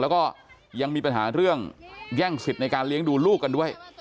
แล้วก็ยังมีปัญหาเรื่องแย่งสิทธิ์ในการเลี้ยงดูลูกกันด้วย